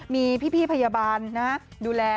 มีพี่พยาบาลดูแล